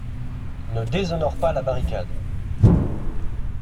Ne déshonore pas la barricade!